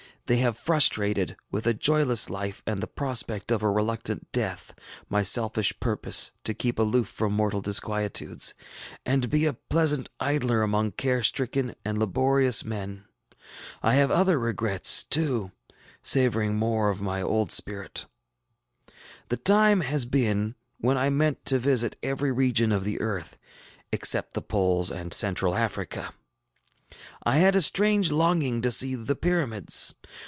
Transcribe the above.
They have prostrated, with a joyless life and the prospect of a reluctant death, my selfish purpose to keep aloof from mortal disquietudes, and be a pleasant idler among care stricken and laborious men. I have other regrets, too, savoring more of my old spirit. The time has been when I meant to visit every region of the earth, except the poles and Central Africa. I had a strange longing to see the Pyramids.